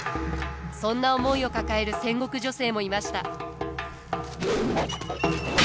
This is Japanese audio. そんな思いを抱える戦国女性もいました。